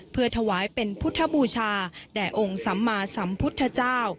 เพื่อถวายเป็นพุทธบูชาแด่องค์สัมมาสัมพุทธเจ้า